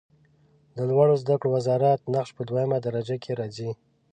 د لوړو زده کړو وزارت نقش په دویمه درجه کې راځي.